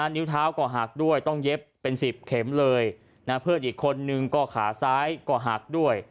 นิ้วเท้าก็หักด้วยต้องเย็บเป็น๑๐เข็มเลยนะเพื่อนอีกคนนึงก็ขาซ้ายก็หักด้วย